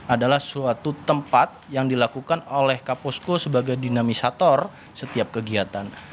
adalah suatu tempat yang dilakukan oleh kaposko sebagai dinamisator setiap kegiatan